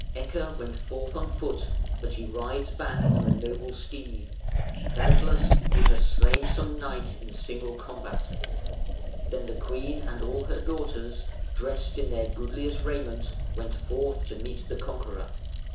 Ecke went forth on foot, but he rides back on a noble steed. Doubtless he has slain some knight in single combat". Then the queen and all her daughters, dressed in their goodliest raiment, went forth to meet the conqueror.